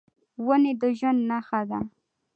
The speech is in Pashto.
ونې د ژوند نښه ده.